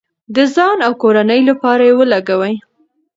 د ځان او کورنۍ لپاره یې ولګوئ.